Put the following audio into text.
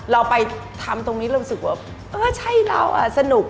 เราไปทำตรงนี้เรารู้สึกว่าเออใช่เราอ่ะสนุก